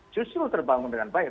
justru terbangun dengan baik